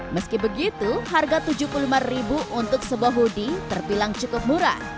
meski begitu harga rp tujuh puluh lima untuk sebuah hoodie terbilang cukup murah